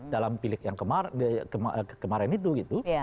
dalam pilik yang kemarin itu gitu